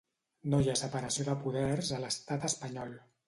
No hi ha separació de poders a l'estat espanyol.